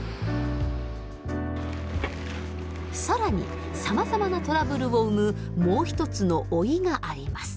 更にさまざまなトラブルを生むもう一つの「老い」があります。